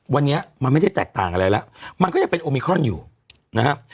วันนี้มันไม่ได้แตกต่างอะไรแล้วมันก็ยังเป็นโอมิครอนอยู่นะครับ